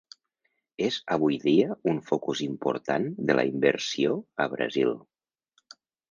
És avui dia un focus important de la inversió a Brasil.